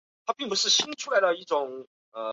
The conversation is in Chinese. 神圣粪金龟是位于地中海盆地的粪金龟的一种。